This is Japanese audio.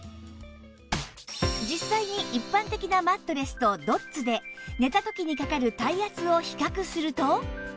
実際に一般的なマットレスとドッツで寝た時にかかる体圧を比較すると